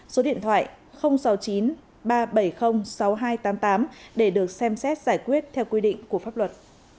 số điện thoại sáu mươi chín ba trăm bảy mươi sáu nghìn hai trăm tám mươi tám để được xem xét giải quyết theo quy định của pháp luật